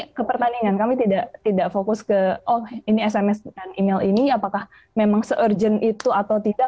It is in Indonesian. saya ke pertandingan kami tidak fokus ke oh ini sms dan email ini apakah memang se urgent itu atau tidak